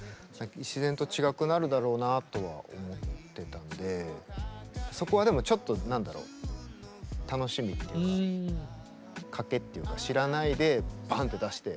自然と違くなるだろうなとは思ってたのでそこはでもちょっと何だろう楽しみっていうか賭けっていうか知らないでバーンと出して。